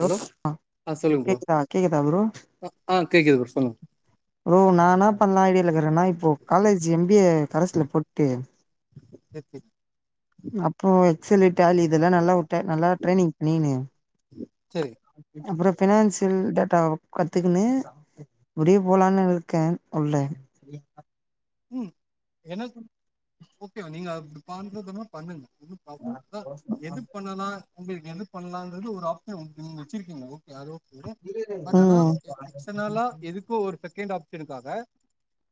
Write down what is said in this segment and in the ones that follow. Hello ஆ அ சொல்லுங்க ப்ரோ கேக்குதா கேக்குதா ப்ரோ ஆ ஆ கேக்குது ப்ரோ சொல்லுங்க ப்ரோ நான் என்னா பண்ணலானு ஐடியால இருக்கறன்னா இப்போ காலேஜ் எம் பி ஏ கரஸ்ல போட்டு சேர் சேரி அப்றோ [unintelligible] டேலி இதெல்லாம் நல்லா [unintelligible] நல்லா ட்ரெய்னிங் பண்ணிகின்னு சேரி அப்றம் ஃபினான்ஸியல் டேட்டா கத்துக்கின்னு முடிய போலானு இருக்கேன் உள்ள உம் என்னது ஓகேவா நீங்க அது பண்றதுனா பண்ணுங்க ஒன்னும் ப்ராப்ளம் இருந்தா எது பண்ணலாம் உங்களுக்கு எது பண்லாங்கிறது ஒரு ஆப்ஷன் வந்து நீங்க வச்சிருக்கீங்க ஓகே அதோ [unintelligible] பட் ஆனா ம் எக்ஸ்ட்னால எதுக்கும் ஒரு செகண்ட் ஆப் ப்சனுக்காக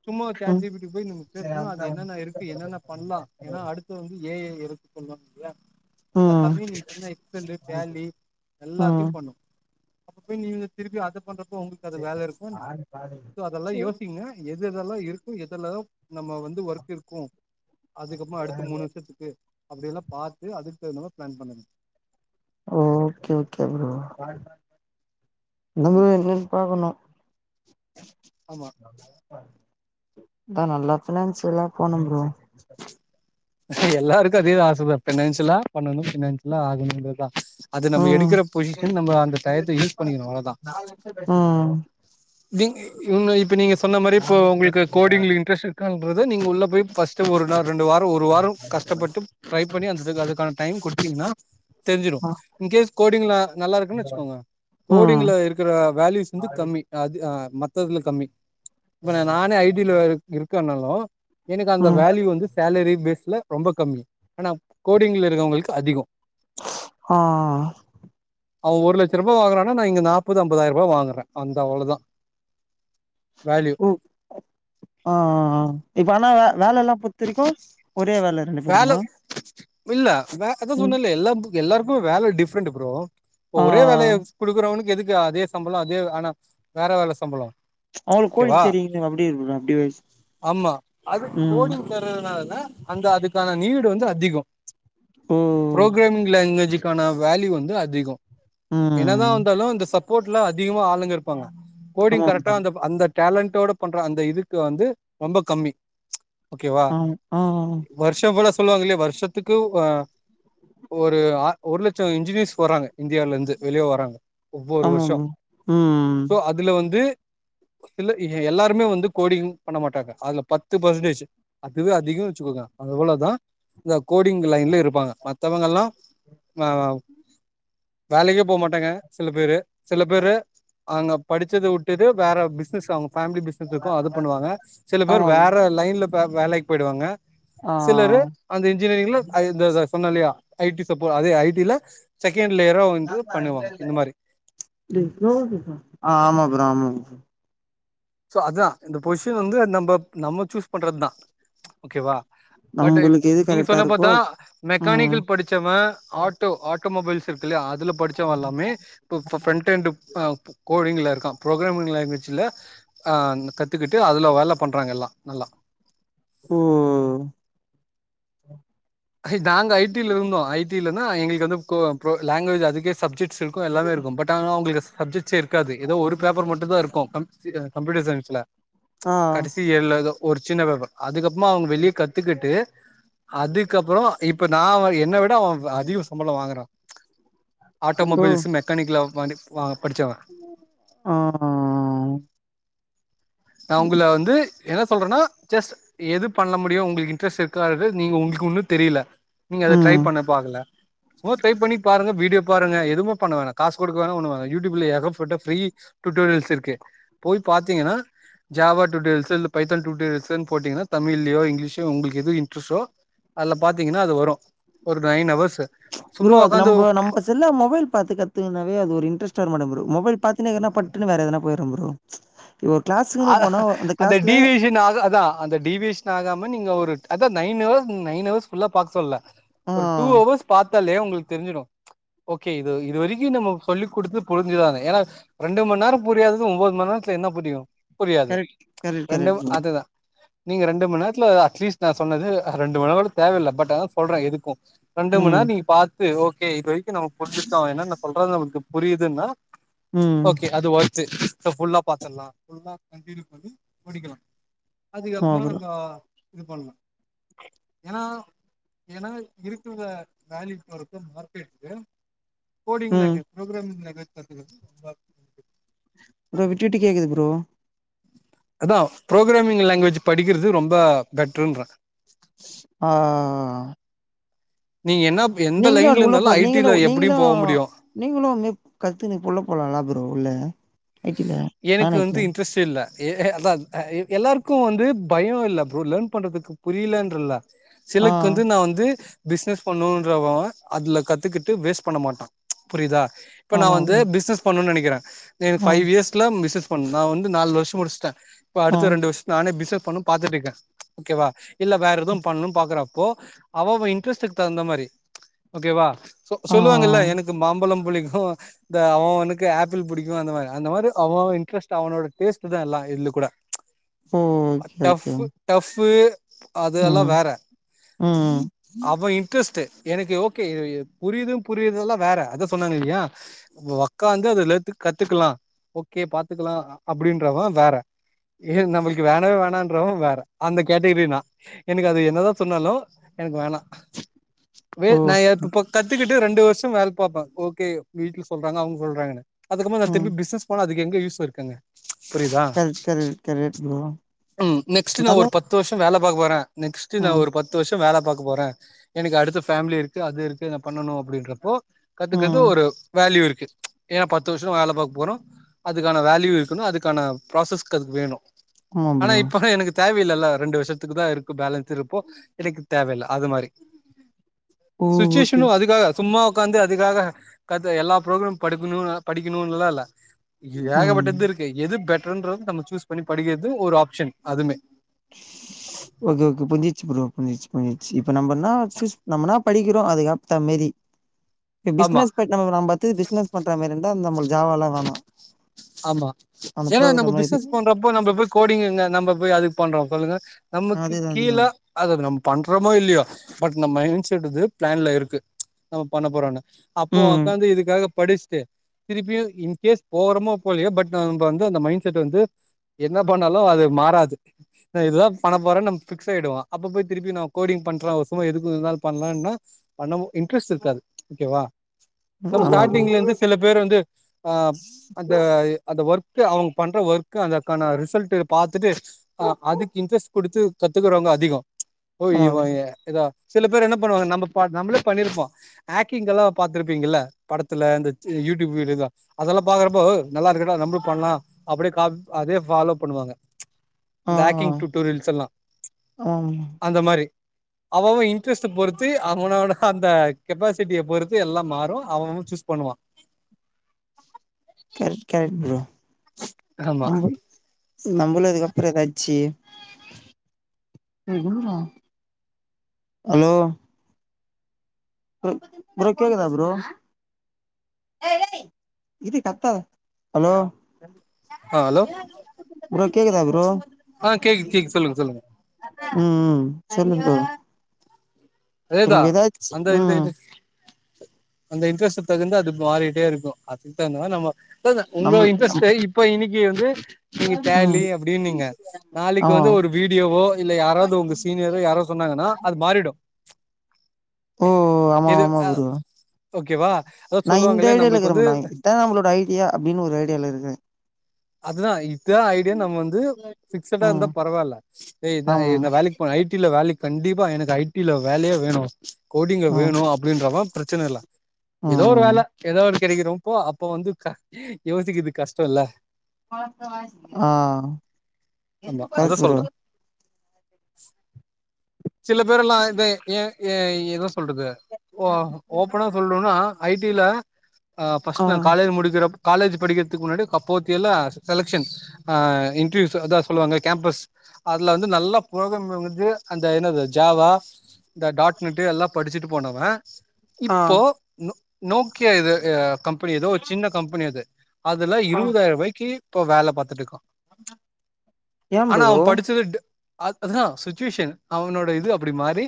சும்மா ஒரு சாட் ம் ஜி பி டி இப்ப போய் நீ பேசணும் அது என்னென்ன இருக்கு என்னென்னா பண்ணலாம் ஏன்னா அடுத்து வந்து ஏ ஐ இருக்கு சொல்வாங்கள்ள ம் அதெல்லாமே நீங்க சொன்ன எக்சலு டேலி ம் எல்லாத்தையும் பண்ணும் அப்ப போய் நீங்க திருப்பி அத பண்ற இப்ப உங்களுக்கு அது வேல இருக்கா என்ன சோ அதல்லாம் யோசிங்க எது இதெல்லாம் இருக்கும் எ துல நம்ம வந்து ஒர்க் இருக்கும் அதுக்கப்புறம் அடுத்த மூணு வருஷத்துக்கு அப்பிடி எல்லா பாத்து அது அடுத்து என்னவோ பிளான் பண்ணுங்க ஓகே ஓகே ப்ரோ என்ன ப்ரோ ஆமா என்னன்னு பாக்கணும் ஆமா என்னா ப்ரோ [unintelligible] நல்லா ஃபினான்ஸியலா போனும் ப்ரோ எல்லாருக்கும் அதே ஆசதான் ஃபினான்சியலா பண்ணணும் ஃபினான்சியலா ஆகணும்ன்றதான் உம் அந்த டயத்த யூஸ் பண்ணிக்கணு அவ்ளோதா உம் நீங்க இவன இப்ப நீங்க சொ அந்த மாரி ஃப உங்ள்க்கு கோடிங்ல இன்ட்ரஸ்ட் இருக்கான்றது நீங் உள்ள போய் ஃபஸ்ட்டு ஒரு நா ரெண்டு வா ஒரு வாரோ கஷ்டப்பட்டு ட்ரைப் பண்ணி அந்ததுக்கு அதுக்கான டைம் குடுத்தீங்கன்னா தெரிஞ்சிரு இன்கேஸ் கோடிங்ல நல்லா இருக்குன் வெச்சுக்கோங்க கோடிங்ல இருக்கிற வேல்யூஸ் வந்து கம்மி அது அ மத்ததுல கம்மி இப்ப ந நானே ஐ டி ல இரு இருக் க்கன்னாலு எனுக்கு அந்த ம் வேல்யூ வந்து எரி பேஸ்ல ரொம்ப கம்மி ஆனா கோடிங்ல இருக்கவங்ள்க்கு அதிகோ ஆ ஆ ஆ அவ ஒரு லட்சருபா வாங்குறான்னா நா இங்க நாப்பது அம்பதாயிருபா வாங்குறே அந்த அவ்ளதா ம் ஆ ஆ ஆ இப்ப ஆனா வ வேலெல்லா பொத்திருக்கூ ஒ ரே வேல ரெண்டு பேருமா வேலவ் இல்ல வே அத ம் சொன்னல்ல எல்லாப் எல்லாருக்குமே வேல டிஃப்ரெண்டு ப்ரோ ப்ப ஆ ஒரே வேலைய குடுக்குறவனுக்கு எது து அதே சம்பளோ அதே ஆனா வேற வேல சம்பளோ அவங்களுக்கு கே கோழி வா தெரியுங்க அப்டி இருக்குல அப்டி வைஸ் ஆமா அது ம் கோடிங் தர்றதுனாலத அந்த அது நீடு வந்து அதிகோ ஓ ப்ரோக்ரேமிங் லேங்வேஜு க்கான வேல்யூ வந்து அதிகோ என்னதா ம் வந்தாலு இந்த ச ப்போட்ல அதிகமா ஆளுங்க இருப்பாங்க கோடிங் ஆமா கரெக்டா ப்ரோ அந்தப் அந்த டேலண்டோட பண்ற அந்த இதுக்கு வந்து ரொம்ப கம்மி அம் ஆ ஆ ஆ ச்சோ இவ்ளோ சொல்லுவாங்கல்லையா வர்ஷத்துக்கு வ ஒரு ஆ ஒரு லட்சோ இன்ஜினியர்ஸ் வராங்க இந்தியாலந்து வெளிய வராங்க ஒவ்வொரு ஆமா வர்ஷோ ப்ரோ ம் சோ அதுல வந்து இல்ல எ எல்லாருமே வந்து கோடிங் பண்ண மாட்டாங்க அதல பத்து பர்சன்டேஜ் அதுவே அதிகோ வெச்சுக்கோங்க அதவ்ளதா இந்த கோடிங் லைன்ல இருப்பாங்க மத்தவங்கல்லா அ வேலைக்கே போமாட்டாங்க சில பேரு சில பேரு அங்க படிச்சது உட்டுது வேற பிசினஸ் அவுங்க ஃபேமிலி பிஸ்னஸ் இருக்கூ அது பண்ணுவாங்க சில பேரு ஆமா ப்ரோ வேற லைன்ல வ வேலைக் போயிடுவாங்க ஆ ஆ சிலரு அந்த இன்ஜினியரிங்ல அத த சொன்னே இல்லையா ஐ டி சப்போ அதே ஐ டி லே சக் ஆமா ப்ரோ ஆமா ப்ரோ சோ அதா இந்த பொசிஷன் வந்து நம்ம நம்ம சூஸ் பண்றது தா ஓகேவா பட் நம்பளுக்கு எது நீங்க கரெக்டா சொன்ன இருக்கோ பாத்தா ம் மெக்கானிக்கல் படிச்சவ ஆட்டோ ஆட் டோமொபைல்ஸ் இரு க்கு இல்லேயா அதுல படிச்சவ எல்லாமே இப்ப ஃப் ஃப்ரெண்ட்டு என்டு உ கோடிங்ல இருக்கா ப்ரோக்ராமிங் லாங்குவேஜ்ல அஹ் கத்துக்கிட்டு அதுல வேல பண்றாங்க எல்லா நல்லா உம் நாங்க ஐ டி ல இருந்தோ ஐ டி லனா எங்களுக்கு அது கோ ப் லாங்குவேஜ் அதுக்கே சப்ஜெக்ட் ச் இருக்கு எல்லாமே இருக்கு பட் ஆனா அவங்களுக்கு சப்ஜெக்ட் ஏ இருக்காது ஏதோ ஒரு பேப்பர் மட்டுந்தா இருக்கு [unintelligible] கம்ப்யூட்டர் சயின்ஸ்ல ஆ கடசி ஏழு ல ஏதோ ஒரு சின்ன பேப்பர் அதுக்கப்புமா அவுங்க வெளிய கத்துகிட்டு அது க்கப்புற இப்ப நா [unintelligible] என்ன விட அவ அதிக சம்பள வாங்குறா ஆட்டோமொபைல்சு மெக்கானிக்கல் அவு வனித் வா ஆஹ் நா உங்கள வந்து என்ன சொல்றன்னா ஜஸ்ட் எது பண்ண முடியு உங்களுக்கு இன்ட்ரெஸ்ட் இருக்காதது நீங்க உங்களுக்கு ஒன்னு தெரியல நீங்க அத ம் ட்ரை பண்ண பாக்கல சும்மா ஒரு ட்ரை பண்ணி பாருங்க வீடியோ பாருங்க எதுவு பண்ணவேணா காசு கொடுக்க வேணா ஒண்ணு வேணா யூடுயுப்ல ஏகப்பட்ட ஃபிரீ டுட்டோரியல்ஸ் இருக்கு போய் பாத்தீங்கன்னா ஜாவா டுட்டோரியல்ஸு பைத்தான் டுட்டோரியல்ஸ் ன்னு போட்டிங்கனா தமிழ் ல யோ இங்லிஸ்லயோ உங்களுக்கு எது இன்ட்ரஸ்ட்டோ அதுல பாத்தீங்கன்னா அது வரு ஒரு நைன் ஹவர்ஸ் ப்ரோ சும்மா அது உக்காந்து நம்ப நம்ப செல்ல மொபைல் பாத்துக் கத்துக்றதுனாவே அது ஒரு இன்ட்ரெஸ்ட் வர மாட்டிக்குது ப்ரோ மொபைல் பாத்துனே இருக்றனா பட்டுனு வேற எதனா போயிர்றே ப்ரோ இப்போ ஒரு கிளாஸுக்குன்னு அதா போனா அந்த கிளாஸ்ல டீவியேஷன் ஆகா அதா அந்த டீவியேஷன் ஆகாம நீங்க ஒரு நைன் அர் நைன் அவர்ஸ் ஃபுல்லா பாக்க சொல்லுல ஆ ஒரு டூ அவர்ஸ் பாத்தாலே உங்களுக் தெரிஞ்சிடும் ஓகே இது இது வரைக்கும் நம்ம சொல்லி் குடுத்து புரிஞ்சுதானு ஏன்னா ரெண்டு மண் நேரம் புரியாதது ஒம்போது மணி நேரத்துல என்ன புரியும் புரியாது கரெக்ட் கரெக்ட் கரெக்ட் ரெண்டும் ப்ரோ அதுதான் நீங்க ரெண்டு மண் நேரத்துல அட்லீஸ்ட் நா சொன்னது ரெண்டு மணி நேர கூட தேவயில்ல பட் அஆனா சொல்றேன் எதுக்கும் ரெண்டு ம் மண்நேரம் நீங்க பாத் து ஓகே இது வரைக் கும் நம்ம புரிஞ்சிருக்கோ என்னன்ன சொல்றது நமக்குப் புரியுதுன்னா ம் ஓகே அது ஒ ர்த்து ஃபுல்லா பாத்துல்லாம் கண்டின்யூ பண்ணி படிக்கலாம் அதுக்கு ஆமா அப்மா ப்ரோ நா இது பண்லாம் ஏன்னா ஏன்னா இருக்றத வேல்யூ பண்றக்தா வொர்க் இருக்கு கோடிங் ம் லங்குவேஜ் ப்ரோக்ராமிங் லங்குவேஜ் [unintelligible] ப்ரோ விட்டு விட்டுக் கேக்குது ப்ரோ அதான் ப்ரோக்ராமிங் லங்குவேஜ் படிக்குறது ரொம்ப பெட்ருன்றேன் ஆ. ஆ ஆ நீங்க என்னப் எந்த அது லைன்ல உள்ள இருந்தாலும் போற நீங்களு ஐட்டில எப்டியும் போ முடியும் கத்துனுக் குள்ள போலாம் ல ப்ரோ உள்ள ஐ டி ல நான் எனக்கு ஐ டி வந்து ல இன்ட்ரெஸ்ட்டே இல்ல எ அதா எல்லாருக்கும் வந்து பயம் இல்ல ப்ரோ லேன் பண்றதுக்கு புரியலன்றல்ல ஆ சிலக்கு வந்து நா வந்து பிஸ்னஸ் பன்னனுன்றவன் அதுல கத்துக்கிட்டு வேஸ்ட் பண்ண மாட்டான் புரியுதா இப்ப நா ஆமா வந்து ப்ரோ பிஸ்னஸ் பண்னுன்னு நனைக் [unintelligible] தென் ஆ ஃபைவ் இயர்ஸ்ல மிசஸ் நா வந்து நாலு வருஷம் முடிச்ட்டன் இப்ப ஆ அடுத்த ரெண்டு வருஷம் நானே பிஸ்னஸ் பண்ணும் பாத்துட்டு இருக்கேன் ஓகேவா இல்ல வேற எதும் பண்ணும் பாக்குறப்போ அவ அவ இன்டரஸ் ட்டுக்கு தகுந்த மாரி ஓகேவா சொ ஆ சொல்லுவாங்கல்ல எனக்கு மாம்பழம் புிடிக்கும் இந்த அவனுக்கு ஆப்பிள் பிடிக்கும் அந்த மாதிரிந்த மாதி அவன் இன்ட்ரஸ்ட் அவனோடேஸ்ட் தான் எல்ல இதுல கூட ஓ ப் ஓகே ஓகே டப டப் அதுெல்லாம் ம் வேற ம் அவ இன்ட்ரெஸ்ட் எனக்கு ஓகே புரியுதும் புரியுத எல்லாம் வேற அத சொன்னாங்க இல்லையா வக்காந்து அதுல கத்து கத்துக்கலாம் ஓகே பாத்துக்கலாம் அப்படின்றவும் வேற ஏ நம்மளுக்கு வேணாவ வேணன்றவும் வேற அந்த கேட்டகரி நா எனக்கு அது என்னதான் சொன்னாலும் எனக்கு வேணாம் வே ஓ நாயய தூ பக் கத்துக்க ரெண்டு வருஷம் வேல பார்ப்பன் ஓகே வீடல சொல்றாங்க அவங்க சொல்றாங்கன்னு அதுக்கற நா ம் திரும்பி பிஸ்னஸ் பண்ண அது எங்க யூஸ் இருக்குங்க புரியுதா கரெக்ட் கரெக்ட் கரெக்ட் ப்ரோ உம் நெக்ஸ்ட் நான் நல்லா ஒரு பத்து வருஷம் வேலை பாக்க போறன் நெக்ஸ்ட் நான் ம் ஒரு பத்து வருஷம் வேலை பா போறேன் எனக்கு அடுத்த ஃபேமிலி இருக்கு அது இருக்கு என்ன பண்ணனும் அப்படின்றப்போ கத்துக்கறது ம் ஒரு வேல்யூ இருக்கு ஏனா பத் து வருஷம் வேலை பார்க்க போறோம் அதுக்கான வேல்யூ இருக்கணும் அதுக்கான பராசஸ் அதுக்கு வேணும் ஆமா ஆனா ப்ரோ இப்ப எனக்கு தேவை இல்லல்ல ரெண்டு வருஷத்துக்கு தான் இருக்கு பேலன்ஸ் இருப்போ இக்கு தேவையில்ல அது மாதிரி ஓ ஓகே சிச்சேஷன் அதுக்காக சும்மா உக்காந்து அதுக்காக கத எல்லா ப்ரோக்ராம் படிக்கணும் படிக்கணும்னுலா இல்ல ம் ஏகப்பட்டது இருக்கு எது பெ ட்டருனுகறது நம்ம சூஸ் பண்ணி படிக்கிறது ஒரு ஆப்ஷன் அதுமே ஓகே ஓகே புரிஞ்சிடுச்சு ப்ரோ புஞ்சிச்சு புஞ்சிருச்சு இப்ப நம்பனா சூஸ் நம்மனா படிக்கிறோம் அதுக்கேத்தா மாரி இப்ப ஆமா பிசினஸ் ப [unintelligible] பத்தி பிசினஸ் பண்ற மாரி இருந்த அந்த நம்ம ஜாவல வேண ஆமா ஏன்னா நம்ம பிசினஸ் பண்றப்போ நம்ம போய் கோடிங்க நம்ம போய் அதுக்கு பண்றோம் சொல்லுங்க நமக்கு அதுதா அதுதா கீழே அதது நம் பண்றோமோ இல்லையா பட் நம்ம மைண்ட் செட் இது பிளான்ல இருக்கு நம்ம பண்ண போறோம்னு அப்போ ம் உக்காந்து இதுக்காக படிஸ்டு திருப்பியும் இன் கேஸ் போறோமோ போலியே பட் நப்பந்து அந்த மைண்ட் செட் வந்து என்ன பண்ணாலு அது மாறாது இஹ் இதுதா பண்ண போறனு நம் ஃபிக்ஸ் ஆய்டுவோ அப்ப போய் திருப்பி நா கோடிங் பண்ற ஒரு சுமா எதுக்கு பண்லன்னா பண்ண இன்ட்ரெஸ்ட் இருக்காது ஓகேவா ம். நமோ ஆமா ப்ரோ ஸ்டார்டிங்ல இருந்து சில வேறுந்து ஹ அது ஒர்க்கு அவுங்க பண்ற ஒர்க்கு அதற்கான ரிசல்டு பார்த்துட்டு அஹ் அதுக் இன்ட்ரெஸ்ட் குடுத்து கத்துக்குறவங்க அதிக ஓய் ஆமா இவ ப்ரோ இதா சில பேரு என்ன பண்ணுவாங்க நம்ப நம்பளே பண்ணிருப்போம் ஆக்டிங் எல்லா பாத்திருப்பீங்கில்ல படத்துல இந்த யூடியூப் வீடியோஸ்ஸா அதெல்லா பாக்றப்போ நல்லா இருக்குடா நம்ளு பண்ணலா அப்டி கா அதே ஃபாலோ பண்ணுவாங்க ஆ இந்த ஆ. ஆக்கிங் டூட்டோரியல்ஸ் எல்லா ஆமா அந்த மாரி அவ அவ இன்ட்ரெஸ்ட்ட பொறுத்து அவனோட அந்த கெப்பாசிட்டிய பொறுத்து எல்லா மாறு அவ அவ சூஸ் பண்ணுவா கெரக்ட் ப்ரோ ஆமா [unintelligible] நம்பளு அதுக்கப்புற எதாச்சு [unintelligible] ஹலோ ப்ரோ ப்ர கேக்குதா ப்ரோ இரு கத்தாத ஹலோ ஆ [unintelligible] ப்ரோ கேக்குதா ப்ரோ அஹ் கேக்கிது கேக்கிது சொல்லுங்க சொல்லுங்க ஹும் ம் சொல்லுங் ப்ரோ இப் அதேதா நம்ப ஏதாச்சு அந்த இந்த ஹும் இது அந்த இன்ட்ரெஸ்ட்க் தகுந்த அது மாறிட்டே இருக்கு அதுக்தகுந்த மாரி நம்ம [unintelligible] உங்க நம்மளுக்கு இன்ட்ரெஸ்ட் நம் இப்ப இன்னிக் இவந்து நீங்க ம் டேலி அப்டினிங்க நாளைக்கு ஆமா வந்து ஒரு வீடியோவோ இல்ல யாராது உங்க சீனியரு யாரோ சொன்னாங்கனா அது மாறிடு ஓ ஆமா எது ஆமா அ குரு ஓகேவா அதா நா இந்த சொல்லுவாங்களே ஐடியால நம்மளுக்கு வந்து இருக்க இத்தா நம்மளோட ஐடியா அப்டின்னு ஒரு ஐடியால இருக்கறே அதுதா இதா ஐடியான் நம்ம வந்து பிக்ஸ்சட இருந்தா ம் பரவால்ல ஹே இத ஆமா இந் வேலைக்குப் போனு ஐ டி ல வேலைக் கண்டிப்பா எனக்கு ஐ டி ல வேலையே வேணு கோடிங்க ம் வேணு அப்டின்றவ பிரச்சன இல்ல ஏதோ ஒரு ம் வேல ஏதோ ஒரு கெடைக்கிறப்போ அப்ப வந்து யோசிக்குது கஷ்ட இல்ல ஆஹ் ஆமா அத [unintelligible] சொல்ற சில பேர் எல்லா இத ஏன் ஏ ஏதோ சொல்றது ஓ ஓப்பனா சொல்னுனா ஐ டி ல ஆ ஃபர்ஸ்ட் நா காலேஜ் முடிக்கிறப் காலேஜ் படிக்கிறதுக்கு முன்னாடி அப்போத்தி எல்லாம் செலக்சன் ஆ இன்டர்வூ சொல்லுவாங்க கேம்பஸ் அதல வந்து நல்லா பும் அ ஏனது ஜாவா இந்த டாட் நெட் எல்லாம் படிச்சுட்டு போனவா ஆ இப்போ நோ நோக்கியா இது கம்பெனி ஏதோ சின்ன கம்பெனி அது அதெல்லாம் ஆ இருபதாயிரம்வாக்கி இப்ப வேல பாத்துட்டு இருக்கோம் ஏ ஆனா ப்ரோ அவன் படிச்சது அ அதுதா சுச்சுவேஷன் அவனோட இது அப்படி மாறி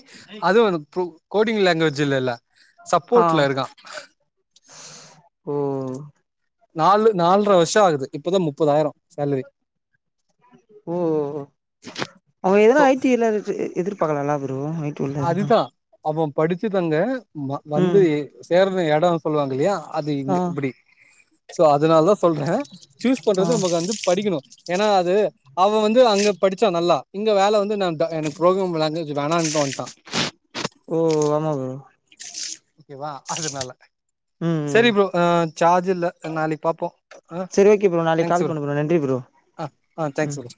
அதுவும் கோடிங் லாங்குவேஜ்ல இல்ல ஆ சப்போர்ட்ல இருக்கா ஸ் ஓ நாலு நால்ர வருஷம் ஆகுது இப்பதான் முப்பதாயிரம் சேலரி ஓ அவங்க எதன சோ ஐடில்ல இரு எதிர்பாக்லால அது ரூமேட்டு உள்ள இருந்தா அவன் படிச்சு தந்த வ வந்து சேர எடம் சொல்லுவாங்க இல்லையா அது இங்க ஆ இப்படி சோ அத் அதனால தான் சொல்றேன் ஜூஸ் ஆ பண்றது நமக்கு வந்து படிக்கணும் ஏன்னா அது அவன் வந்து அங்க படிச்சான் நல்லா இங்க வேல வந்து நான் எனக்கு புரோக்ராம் விளாங் வேணாண் டோ ஃபஸ் ஓ ஆமா ப்ரோ ஓகேவா அதனால ம் ம் செரி ப்ரோ ஆ ஜார்ஜ் இல்ல நாளைக்கு பார்ப்போம் ஆ சரி ஓகே ப்ரோ நாளைக்கு தேங்க்ஸ் கால் ப்ரோ பண்ணு நன்றி ப்ரோ ஆ ஆ ம் தேங்க்ஸ் ப்ரோ